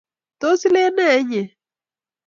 Tos ileen ne inye?